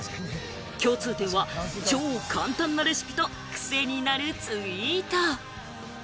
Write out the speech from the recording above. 共通点は超を簡単なレシピとクセになるツイート。